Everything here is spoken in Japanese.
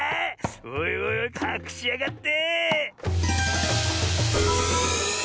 おいおいおいかくしやがって。